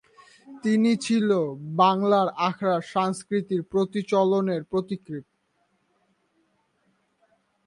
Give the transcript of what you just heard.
তিনি ছিলেন বাংলার আখড়া সংস্কৃতির প্রচলনের পথিকৃৎ।